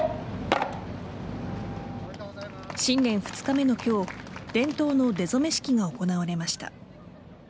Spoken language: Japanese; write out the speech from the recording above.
新年２日目の今日伝統の出初め式が行われました。